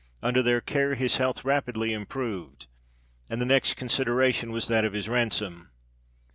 Under their care his health rapidly improved, and the next consideration was that of his ransom.